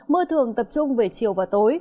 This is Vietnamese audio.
mưa thường tập trung về chiều và tối